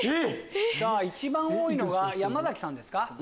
一番多いのが山崎さんですか。